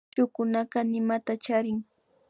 Shukunaka nimata charin